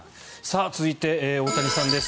続いて、大谷さんです。